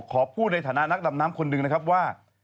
ขอพูดในฐานะนักดำน้ำคนหนึ่งนะครับว่า